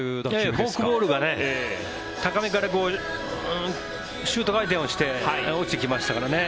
フォークボールが高めからシュート回転をして落ちてきましたからね。